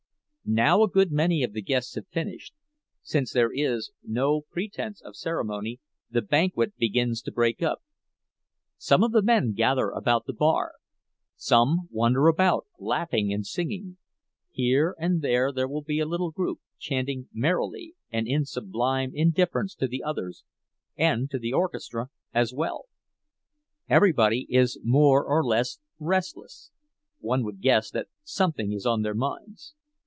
Now a good many of the guests have finished, and, since there is no pretense of ceremony, the banquet begins to break up. Some of the men gather about the bar; some wander about, laughing and singing; here and there will be a little group, chanting merrily, and in sublime indifference to the others and to the orchestra as well. Everybody is more or less restless—one would guess that something is on their minds.